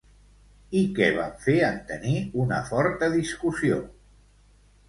I què van fer en tenir una forta discussió?